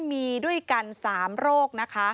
มีด้วยกัน๓โรคนะคะ